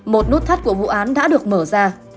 một nút thắt của vụ án đã được mở ra